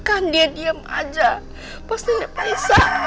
ah ada beneran